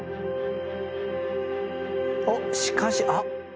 おっしかしあっ！